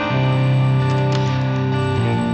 jangan lupa like